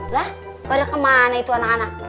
lah pada kemana itu anak anak